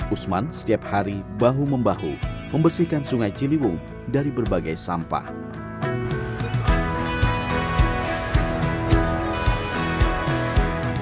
usman setiap hari bahu membahu membersihkan sungai ciliwung dari berbagai sampah